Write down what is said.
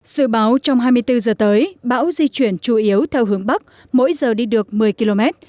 sự báo trong hai mươi bốn giờ tới bão di chuyển chủ yếu theo hướng bắc mỗi giờ đi được một mươi km